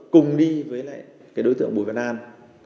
cùng đi với lại cái đối tượng bùi văn an